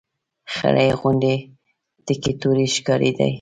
خړې غونډۍ تکې تورې ښکارېدلې.